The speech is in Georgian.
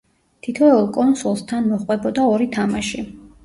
თითოეულ კონსოლს თან მოჰყვებოდა ორი თამაში.